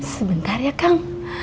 sebentar ya kang